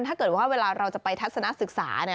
ถ้าเกิดว่าเวลาเราจะไปทัศนศึกษา